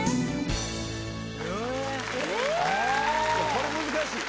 これ難しい。